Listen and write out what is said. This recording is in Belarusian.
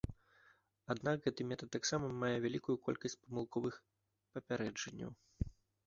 Аднак гэты метад таксама мае вялікую колькасць памылковых папярэджанняў.